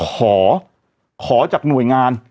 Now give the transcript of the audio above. ขอขอจากหน่วยงาน